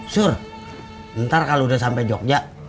sur ntar kalau udah sampai jogja